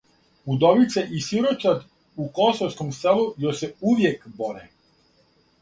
Удовице и сирочад у косовском селу се још увијек боре